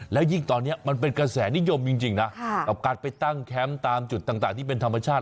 แล้วยิ่งตอนนี้มันเป็นกระแสนิยมจริงนะกับการไปตั้งแคมป์ตามจุดต่างที่เป็นธรรมชาติ